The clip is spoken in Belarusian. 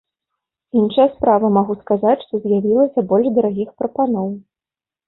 Іншая справа, магу сказаць, што з'явілася больш дарагіх прапаноў.